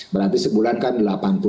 berarti sebulan kan delapan puluh